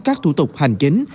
các thủ tục hành chính